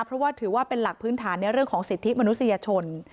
เพราะว่าถือว่าเป็นหลักพื้นฐานในเรื่องของสิทธิมนุษยชน